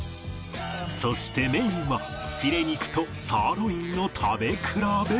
そしてメインはフィレ肉とサーロインの食べ比べ